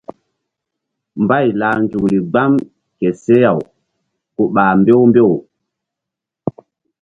Mbay lah nzukri gbam ke seh-aw ku ɓah mbew mbew.